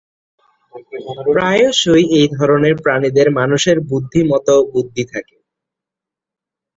প্রায়শই, এই ধরনের প্রাণীদের মানুষের বুদ্ধি মতো বুদ্ধি থাকে।